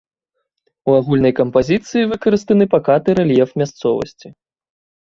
У агульнай кампазіцыі выкарыстаны пакаты рэльеф мясцовасці.